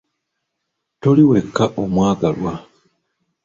Toli wekka, omwagalwa!